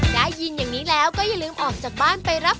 ได้ยินอย่างนี้แล้วก็อย่าลืมออกจากบ้านไปรับ